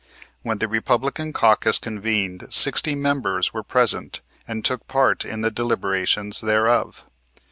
When the Republican caucus convened sixty members were present and took part in the deliberations thereof.